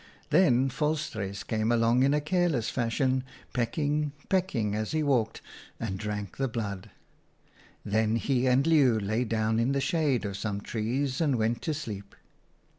Then Vol struis came along in a careless fashion, peck ing, pecking as he walked, and drank the blood. Then he and Leeuw lay down in the shade of some trees and went to sleep.